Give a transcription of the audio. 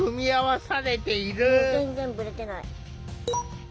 全然ぶれてない。